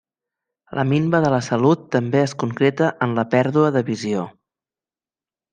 La minva de la seva salut també es concreta en la pèrdua de visió.